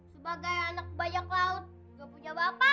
sebagai anak banyak laut gak punya bapak